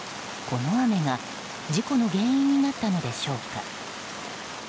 この雨が事故の原因になったのでしょうか。